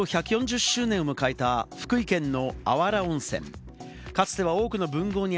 ことし、開湯１４０周年を迎えた福井県のあわら温泉。